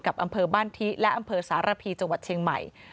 อำเภอบ้านทิและอำเภอสารพีจังหวัดเชียงใหม่